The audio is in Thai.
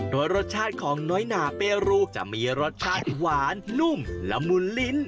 โดยรสชาติของน้อยหนาเปรูจะมีรสชาติหวานนุ่มละมุนลิ้น